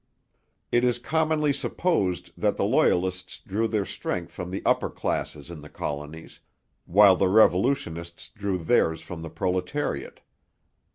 It is commonly supposed that the Loyalists drew their strength from the upper classes in the colonies, while the revolutionists drew theirs from the proletariat.